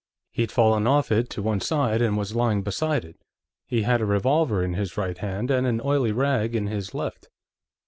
He'd fallen off it to one side and was lying beside it. He had a revolver in his right hand, and an oily rag in his left."